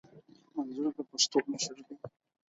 منظور د پښتنو مشر دي